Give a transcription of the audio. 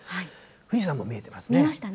富士山も見えてますね。